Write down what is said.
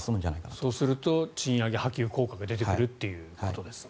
そうすると賃上げ波及効果が出てくるということですね。